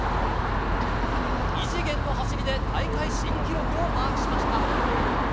異次元の走りで大会新記録をマークしました。